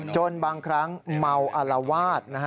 จนบางครั้งเมาอารวาส